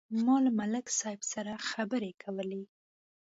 ما له ملک صاحب سره خبرې کولې.